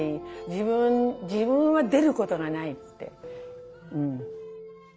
自分自分は出ることがないって。